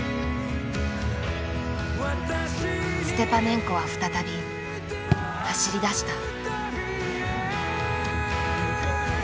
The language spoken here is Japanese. ステパネンコは再び走りだした。